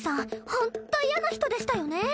ホント嫌な人でしたよね